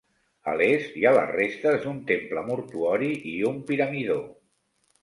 A l'est, hi ha les restes d'un temple mortuori i un piramidó.